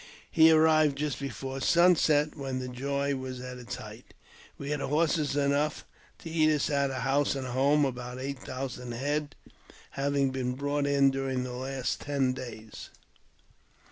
He arrived just before sunset, when the joy was at its height. We had horses enough now to eat us out of house and home, about eight thousand head having been brought in during the last ten days.